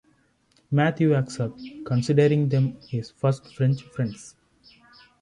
Matthew accepts, considering them his first French friends.